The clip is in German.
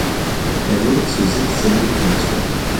Er wurde zu sechs Jahren Gefängnis verurteilt.